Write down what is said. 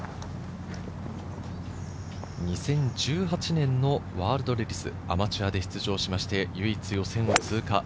２０１８年のワールドレディス、アマチュアで出場しまして、唯一予選通過。